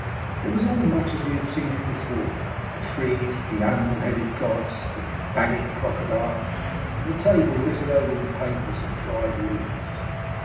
It was all much as he had seen it before the frieze, the animal headed gods, the banging crocodile, and the table littered over with papers and dried leaves.